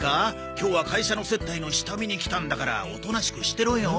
今日は会社の接待の下見に来たんだからおとなしくしてろよ。